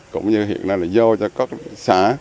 cũng như hiện nay là do cho các xã